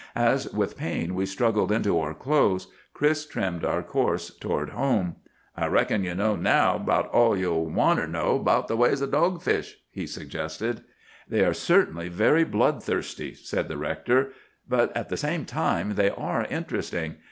As with pain we struggled into our clothes, Chris trimmed our course toward home. "'I reckon you know now 'bout all you'll wanter know 'bout the ways o' dogfish,' he suggested. "'They are certainly very bloodthirsty,' said the rector; 'but at the same time they are interesting.